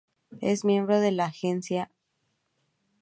Es miembro de la agencia "黑金经纪".